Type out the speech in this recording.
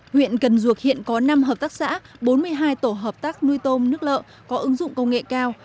huyện cần duộc hiện có năm hợp tác xã bốn mươi hai tổ hợp tác nuôi tôm nước lợ có ứng dụng công nghệ cao